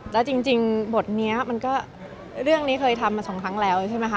แล้วจริงบทนี้มันก็เรื่องนี้เคยทำมาสองครั้งแล้วใช่ไหมคะ